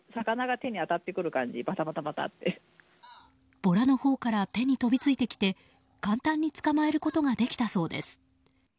ボラのほうから手に飛びついてきて簡単に捕まえることができたそうです。